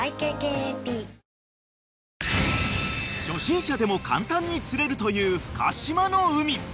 ［初心者でも簡単に釣れるという深島の海］